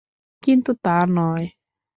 কিন্তু তা নয়।